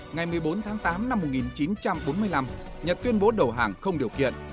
ngày một mươi bốn tháng tám năm một nghìn chín trăm bốn mươi năm nhật tuyên bố đầu hàng không điều kiện